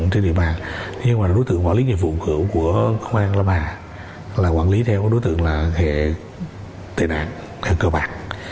trên địa bàn đối tượng quản lý nhiệm vụ của công an lâm hà là quản lý theo đối tượng là hệ tệ nạn hệ cờ bạc